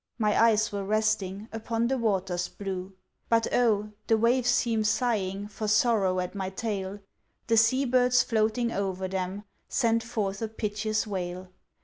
—my eyes were resting Upon the waters blue. But oh! the waves seem sighing For sorrow at my tale, The sea birds floating o'er them. Sent forth a piteous wail.